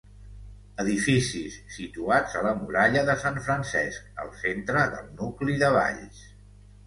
Edificis situats a la muralla de Sant Francesc, al centre del nucli de Valls.